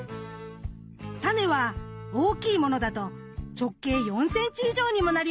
タネは大きいものだと直径４センチ以上にもなります。